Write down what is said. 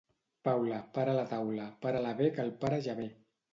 Paula, para la taula, para-la bé que el pare ja ve.